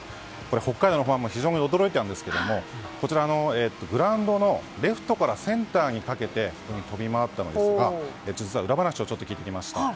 北海道のファンも非常に驚いたんですけどこちら、グラウンドのレフトからセンターにかけて飛び回ったんですが実は、裏話を聞いてきました。